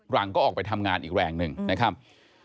หลังก็ออกไปทำงานอีกแรงหนึ่งนะครับ